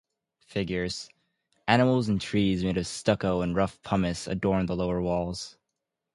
Figures, animals and trees made of stucco and rough pumice adorn the lower walls.